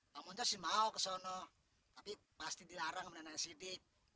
bang muncus mau ke sono tapi pasti dilarang menanyain siddiq